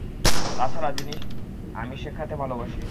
তা ছাড়া জানিস আমি শেখাতে ভালোবাসি।